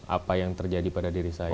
apa yang terjadi pada diri saya